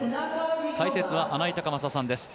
解説は穴井隆将さんです。